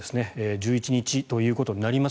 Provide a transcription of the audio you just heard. １１日ということになります。